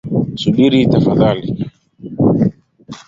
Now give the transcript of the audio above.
Subiri tafadhali.